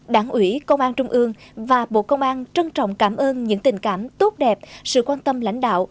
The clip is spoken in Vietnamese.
đảng ủy công an trung ương và bộ công an trân trọng cảm ơn những tình cảm tốt đẹp sự quan tâm lãnh đạo